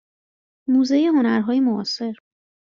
موزه هنرهای معاصر